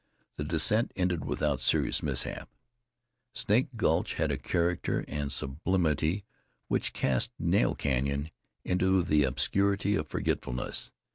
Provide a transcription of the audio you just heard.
The descent ended without serious mishap. Snake Gulch had a character and sublimity which cast Nail Canyon into the obscurity of forgetfulness.